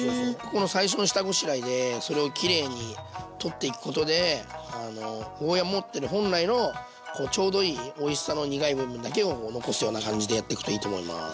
ここの最初の下ごしらえでそれをきれいに取っていくことでゴーヤー持ってる本来のちょうどいいおいしさの苦い部分だけを残すような感じでやっていくといいと思います。